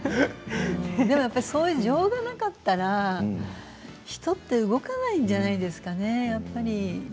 でもそういう情がなかったら人って動かないじゃないですかね。